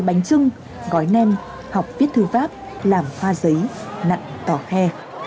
bánh chưng gói nem học viết thư pháp làm hoa giấy nặn tỏ khe